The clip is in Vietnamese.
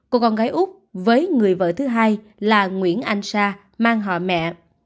cô con gái úc với người vợ thứ hai là nguyễn anh sa mang họ mẹ